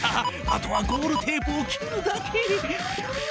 あとはゴールテープを切るだけ。